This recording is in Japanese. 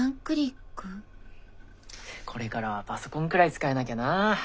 これからはパソコンくらい使えなきゃなあ。